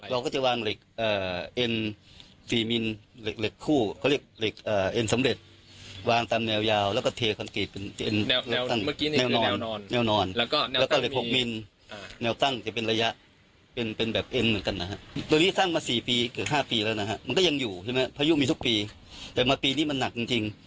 และภายุมีทุกปีแต่มาปีนี้มันหนักจริง